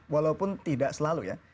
walaupun tidak selalu ya